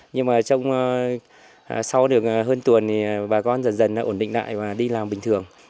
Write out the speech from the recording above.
nhưng mà trong sau được hơn tuần thì bà con dần dần ổn định lại và đi làm bình thường